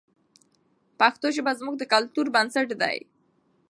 پښتو ژبه زموږ د کلتور بنسټ دی.